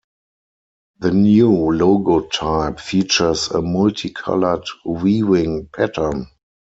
The new logotype features a multi-coloured weaving pattern.